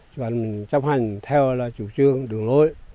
và chấp hành theo là chủ trương đường lối